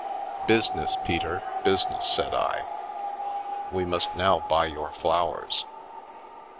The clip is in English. " Business, Peter, business I " said I ; "we must now buy your flowers."